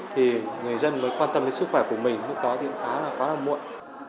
thì người dân mới quan tâm đến sức khỏe của mình